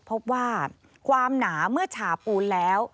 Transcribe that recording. พบว่าความหนาเมื่อฉาปูนแล้ว